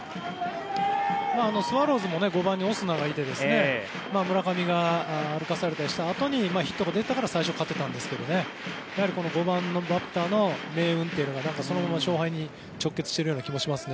スワローズも５番のオスナがいて村上が歩かされたりしたあとにヒットが出たから最初、勝てたんですけど５番のバッターの命運がその後の勝敗に直結しているような気がします。